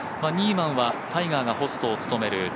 ニーマンはタイガーがホストを務める